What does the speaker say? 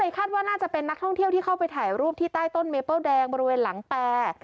คาดว่าน่าจะเป็นนักท่องเที่ยวที่เข้าไปถ่ายรูปที่ใต้ต้นเมเปิ้ลแดงบริเวณหลังแปร